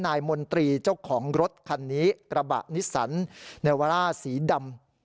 มนตรีเจ้าของรถคันนี้กระบะนิสสันเนวาร่าสีดำ